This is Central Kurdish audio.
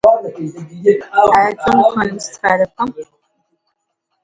بیست دەقیقە ڕێ ڕۆیشتم، تووشی کانی و گۆلێک بوو